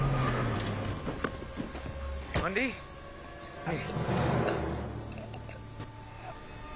はい。